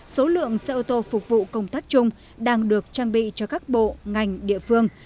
số lượng xe ô tô phục vụ công tác chung đang được trang bị cho các bộ ngành địa phương